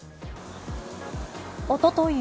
おととい